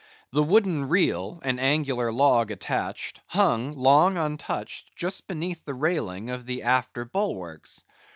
The wooden reel and angular log attached hung, long untouched, just beneath the railing of the after bulwarks.